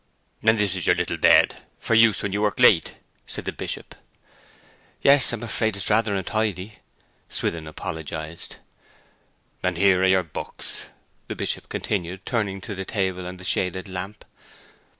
'And this is your little bed, for use when you work late,' said the Bishop. 'Yes; I am afraid it is rather untidy,' Swithin apologized. 'And here are your books,' the Bishop continued, turning to the table and the shaded lamp.